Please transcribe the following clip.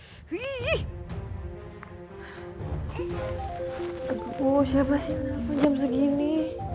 siapa sih kenapa jam segini